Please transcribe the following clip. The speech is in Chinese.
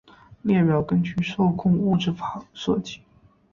列表根据受控物质法设计。